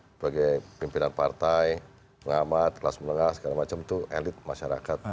sebagai pimpinan partai pengamat kelas menengah segala macam itu elit masyarakat